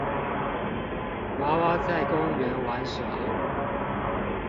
娃娃在公園玩耍